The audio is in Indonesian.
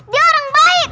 dia orang baik